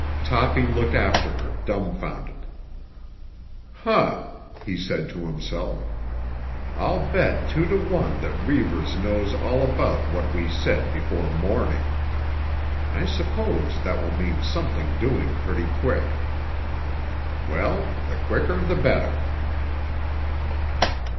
Toppy looked after her dumbfounded. "Huh!" he said to himself. "I'll bet two to one that Reivers knows all about what we said before morning. I suppose that will mean something doing pretty quick. Well, the quicker the better."